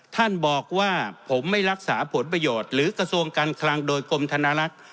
ท่านบอกว่าผมไม่รักษาผลประโยชน์หรือกระทรวงการคลังโดยกรมธนลักษณ์